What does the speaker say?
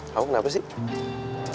kamu kenapa sih